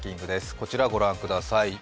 こちら御覧ください。